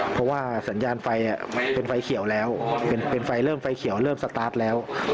เพราะว่าสัญญาณไฟเป็นไฟเขียวแล้วเป็นไฟเริ่มไฟเขียวเริ่มสตาร์ทแล้ว